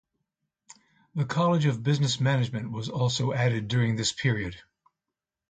The College of Business Management was also added during this period.